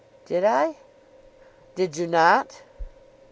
"Did I?" "Did you not?"